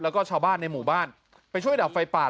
แล้วก็ชาวบ้านในหมู่บ้านไปช่วยดับไฟป่า